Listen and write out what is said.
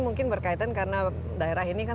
mungkin berkaitan karena daerah ini kan